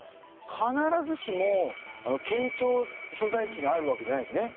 必ずしも県庁所在地にあるわけじゃないんですね。